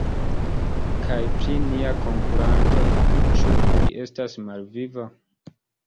Kaj pri nia konkuranto, ĉu li estas malviva?